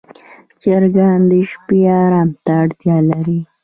چرګان د شپې آرام ته اړتیا لري.